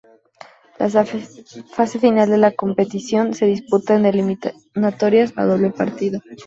La fase final de la competición se disputa en eliminatorias a doble partido.